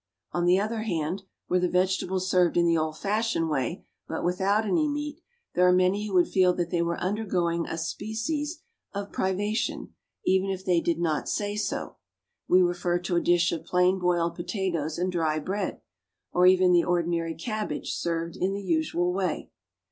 On the other hand, were the vegetables served in the old fashioned style, but without any meat, there are many who would feel that they were undergoing a species of privation, even if they did not say so we refer to a dish of plain boiled potatoes and dry bread, or even the ordinary cabbage served in the usual way.